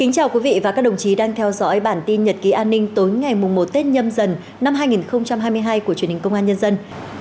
chào mừng quý vị đến với bản tin nhật ký an ninh tối ngày một tết nhâm dần năm hai nghìn hai mươi hai của truyền hình công an nhân dân